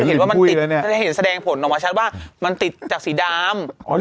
เห็นเป็นภูยิแล้วเนี้ยให้เห็นแสดงผลออกมาชัดว่ามันติดจากสีดำ